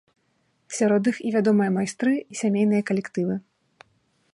Сярод іх і вядомыя майстры, і сямейныя калектывы.